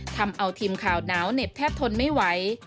ทำเอาทีมข่าวหนาวเหน็บแทบทนไม่ไหว